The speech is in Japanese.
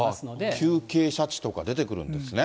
急傾斜地とか出てくるんですね。